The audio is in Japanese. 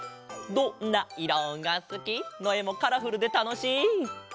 「どんないろがすき」のえもカラフルでたのしい！